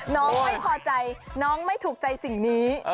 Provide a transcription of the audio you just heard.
น้องไม่พอใจน้องไม่ถูกใจสิ่งนี้